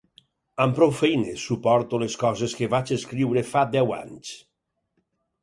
Amb prou feines suporto les coses que vaig escriure fa deu anys.